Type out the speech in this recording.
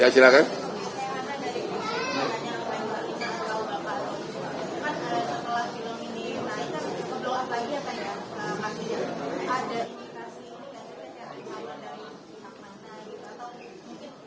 nah itu kebelakang lagi apa ya